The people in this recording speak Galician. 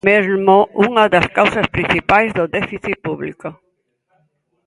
Mesmo unha das causas principais do déficit público.